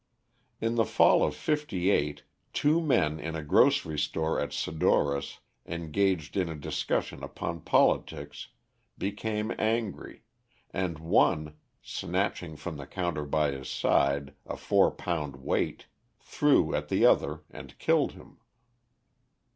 In the Fall of '58, two men, in a grocery store at Sadorus, engaged in a discussion upon politics, became angry, and one, snatching from the counter by his side, a four pound weight, threw at the other and killed him.